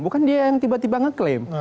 bukan dia yang tiba tiba ngeklaim